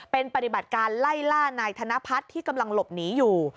เป็นปฏิบัติการไล่ล่านายธนพัฒน์ที่กำลังหลบหนีอยู่